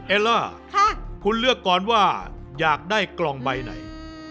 ล่าคุณเลือกก่อนว่าอยากได้กล่องใบไหน